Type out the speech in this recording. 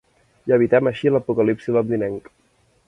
I evitem així l'apocalipsi londinenc!